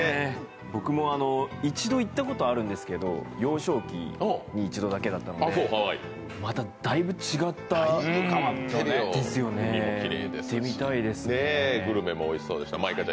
僕も一度行ったことあるんですけど幼少期に一度だけだったので、まただいぶ違ってるでしょうね、グルメもおいしそうでした。